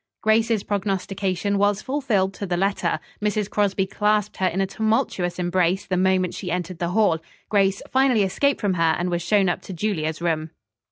Grace's prognostication was fulfilled to the letter. Mrs. Crosby clasped her in a tumultuous embrace the moment she entered the hall. Grace finally escaped from her, and was shown up to Julia's room.